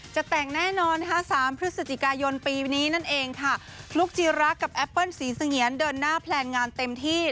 จะแต่งแน่นอนค่ะสามพฤศจิกายนปีนี้นั่นเองค่ะลูกจีรักกับแอปเปิ้ลสีเสงียนเดินหน้าแพลนงานเต็มที่